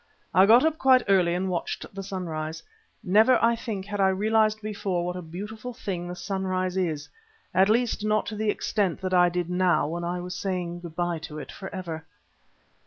I got up quite early and watched the sunrise. Never, I think, had I realised before what a beautiful thing the sunrise is, at least not to the extent I did now when I was saying good bye to it for ever.